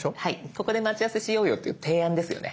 「ここで待ち合わせしようよ」という提案ですよね。